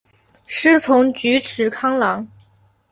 师从菊池康郎。